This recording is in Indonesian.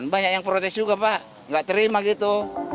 banyak yang protes juga pak nggak terima gitu